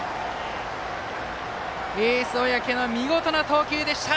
エース、小宅の見事な投球でした。